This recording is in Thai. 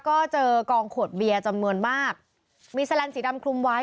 ก็เจอกองขวดเบียร์จำนวนมากมีแสลนสีดำคลุมไว้